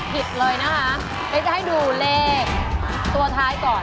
๕๓๙ผิดเลยนะฮะจะให้ดูเลขสังคมตัวท้ายก่อน